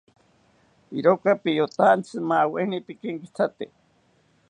Iroka piyotantzi, maweni pipinkithate